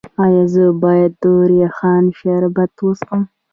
ایا زه باید د ریحان شربت وڅښم؟